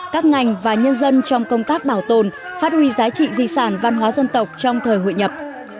các ngành và nhân dân trong công tác bảo tồn phát huy giá trị di sản văn hóa dân tộc trong thời hội nhập